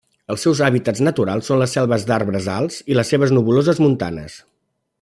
Els seus hàbitats naturals són les selves d'arbres alts i les selves nebuloses montanes.